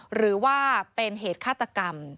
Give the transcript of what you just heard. หรือว่าเป็นเหตุฆาตกรรม